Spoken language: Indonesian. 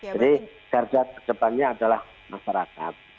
jadi kerja terdepannya adalah masyarakat